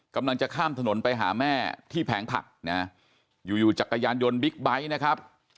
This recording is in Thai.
กำลังจะข้ามถนนไปหาแม่ที่แผงผักนะอยู่อยู่จักรยานยนต์บิ๊กไบท์นะครับ